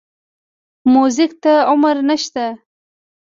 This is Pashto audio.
موزیک ته عمر نه شته.